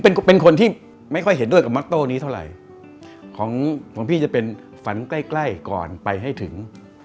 เป็นเป็นคนที่ไม่ค่อยเห็นด้วยกับมัตโต้นี้เท่าไหร่ของของพี่จะเป็นฝันใกล้ใกล้ก่อนไปให้ถึง